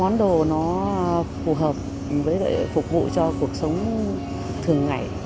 món đồ nó phù hợp với lại phục vụ cho cuộc sống thường ngày